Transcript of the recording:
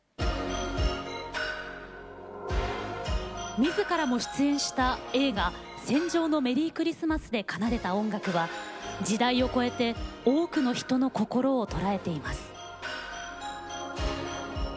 みずからも出演した映画「戦場のメリークリスマス」で奏でた音楽は時代を超えて多くの人の心を捉えています。